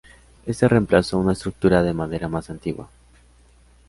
Este reemplazó una estructura de madera más antigua.